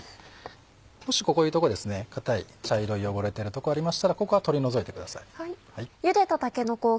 もしこういう所硬い茶色い汚れてるとこありましたらここは取り除いてください。